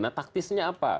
nah taktisnya apa